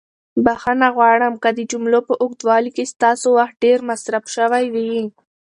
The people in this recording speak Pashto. بښنه غواړم که د جملو په اوږدوالي کې ستاسو وخت ډېر مصرف شوی وي.